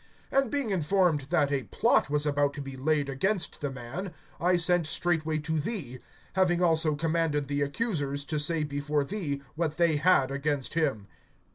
(30)And being informed that a plot was about to be laid against the man, I sent straightway to thee, having also commanded the accusers to say before thee what they had against him.